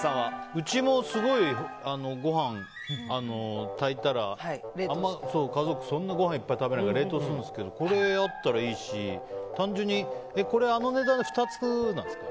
うちもすごい、ご飯炊いたら家族、そんなにご飯をいっぱい食べないから冷凍するんですけどこれがあったらいいし単純にこれあの値段で２つなんですか？